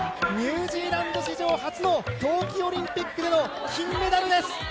ニュージーランド史上初の冬季オリンピックでの金メダルです！